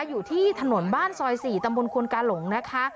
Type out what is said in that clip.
อยู่ที่ถนนบ้านซอย๔ตำบลควนกาหลงนะคะ